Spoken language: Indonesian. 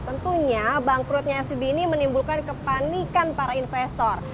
tentunya bank perutnya spb ini menimbulkan kepanikan para investor